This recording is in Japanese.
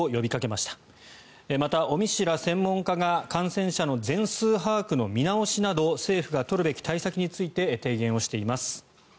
また、尾身氏ら専門家が感染者数の全数把握の見直しなど政府が取るべき対策について提言をしています。